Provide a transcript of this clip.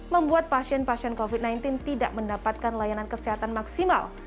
membuat pasien pasien covid sembilan belas tidak mendapatkan layanan kesehatan maksimal